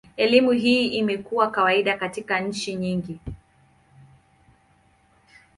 Elimu hii imekuwa kawaida katika nchi nyingi.